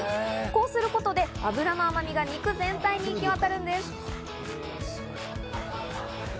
こうすることで脂の甘みが肉全体に行き渡るんです。